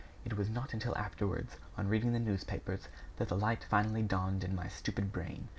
It was not until afterwards, on reading the newspapers, that the light finally dawned in my stupid brain.